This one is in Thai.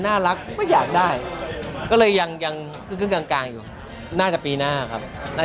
น่ารักไม่อยากได้ก็เลยยังกึ้งกลางอยู่น่าจะปีหน้าครับ